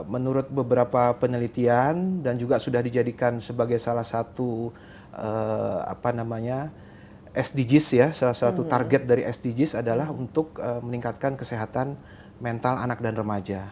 menurut beberapa penelitian dan juga sudah dijadikan sebagai salah satu sdgs ya salah satu target dari sdgs adalah untuk meningkatkan kesehatan mental anak dan remaja